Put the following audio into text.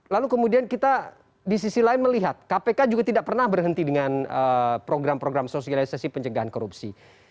lalu kemudian kita di sisi lain melihat kpk juga tidak pernah berhenti dengan program program sosialisasi pencegahan korupsi